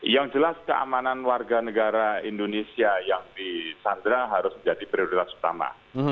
yang jelas keamanan warga negara indonesia yang di sandra harus menjadi prioritas utama